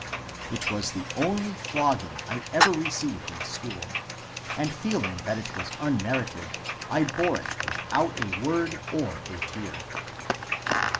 It was the only flogging I ever received in school ; and feeling that it was unmerited I bore it without a word or a tear.